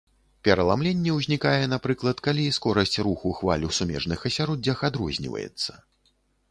Пераламленне ўзнікае, напрыклад, калі скорасць руху хваль у сумежных асяроддзях адрозніваецца.